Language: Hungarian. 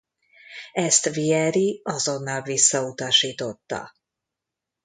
Ezt Vieri azonnal visszautasította.